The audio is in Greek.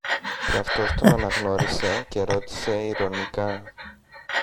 Και αυτός τον αναγνώρισε, και ρώτησε ειρωνικά